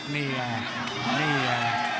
นี่ค่ะนี่ค่ะ